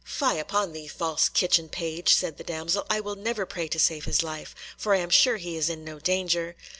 "Fie upon thee, false kitchen page!" said the damsel, "I will never pray to save his life, for I am sure he is in no danger."